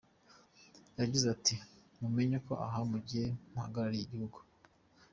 Yagize ati “Mumenye ko aho mugiye muhagarariye igihugu.